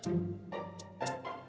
ya kita bisa ke rumah